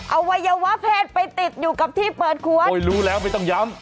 อวัยวะเพศไปติดอยู่กับที่เปิดควนโอ้ยรู้แล้วไม่ต้องย้ำ